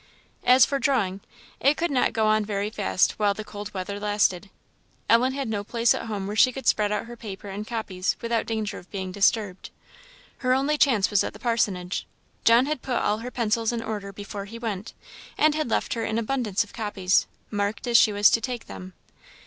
As for drawing, it could not go on very fast while the cold weather lasted. Ellen had no place at home where she could spread out her paper and copies without danger of being disturbed. Her only chance was at the parsonage. John had put all her pencils in order before he went, and had left her an abundance of copies, marked as she was to take them.